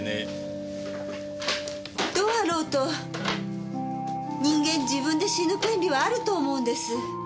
どうあろうと人間自分で死ぬ権利はあると思うんです。